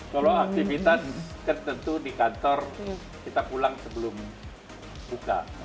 kalau aktivitas tertentu di kantor kita pulang sebelum buka